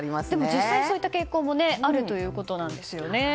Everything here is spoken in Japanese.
実際にそういった傾向もあるということなんですよね。